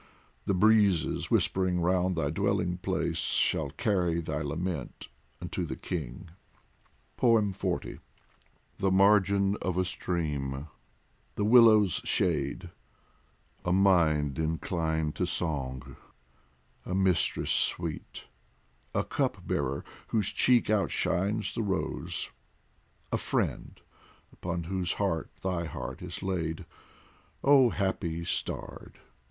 The breezes whispering round thy dwelling place Shall carry thy lament unto the King. XL THE margin of a stream, the willow's shade, A mind inclined to song, a mistress sweet, A Cup bearer whose cheek outshines the rose, A friend upon whose heart thy heart is laid : Oh Happy starred